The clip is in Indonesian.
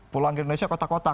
pulang ke indonesia kotak kotak